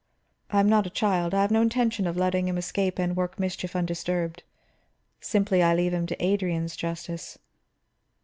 I am not a child, I have no intention of letting him escape and work mischief undisturbed; simply I leave him to Adrian's justice."